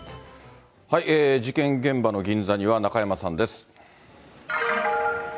事件現場の銀座には、中山さんです。